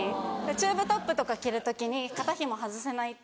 チューブトップとか着る時に肩紐外せないと。